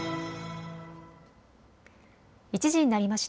１時になりました。